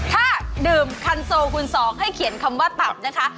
ถ้าดื่มคันโซคุณสองให้เขียนคำว่าตับนะคะ